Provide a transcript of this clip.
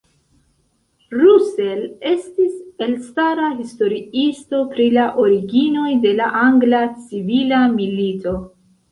Russell estis elstara historiisto pri la originoj de la Angla Civila Milito.